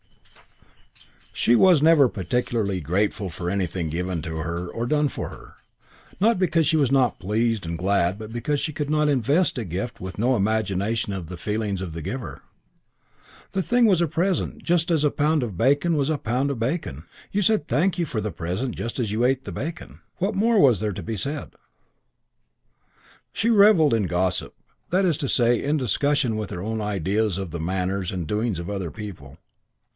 She was never particularly grateful for anything given to her or done for her; not because she was not pleased and glad but because she could invest a gift with no imagination of the feelings of the giver. The thing was a present just as a pound of bacon was a pound of bacon. You said thank you for the present just as you ate the bacon. What more was to be said? She revelled in gossip, that is to say in discussion with her own class of the manners and doings of other people.